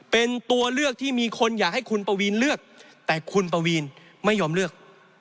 เป็นตัวเลือกที่มีคนอยากให้คุณปวีนเลือกแต่คุณปวีนไม่ยอมเลือก